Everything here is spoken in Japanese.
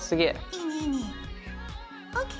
いいねいいね。ＯＫ！